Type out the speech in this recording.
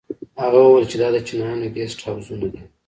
هغه وويل چې دا د چينايانو ګسټ هوزونه دي.